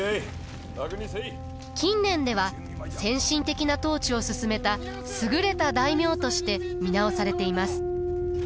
近年では先進的な統治をすすめた優れた大名として見直されています。